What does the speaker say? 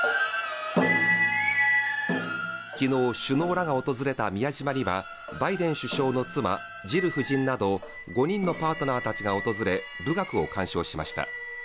昨日首脳らが訪れた宮島ではバイデン首相の妻・ジル夫人など５人のパートナーたちが訪れ、舞楽を鑑賞しました。